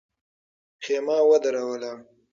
خېمه ودروله.